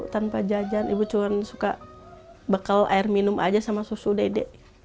tanpa jajan ibu cuma suka bekal air minum aja sama susu dede